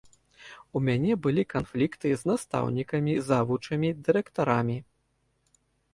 У мяне былі канфлікты з настаўнікамі, завучамі, дырэктарамі.